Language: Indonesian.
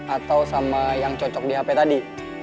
atau sama yang cocok di hp tadi